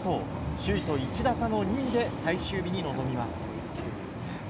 首位と１打差の２位で最終日に挑みます。